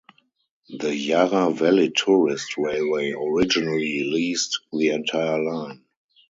The Yarra Valley Tourist railway originally leased the entire line.